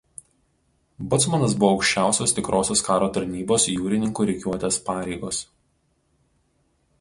Bocmanas buvo aukščiausios tikrosios karo tarnybos jūrininkų rikiuotės pareigos.